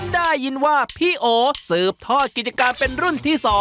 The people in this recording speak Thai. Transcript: ได้ยินว่าพี่โอสืบทอดกิจการเป็นรุ่นที่๒